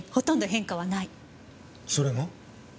それが？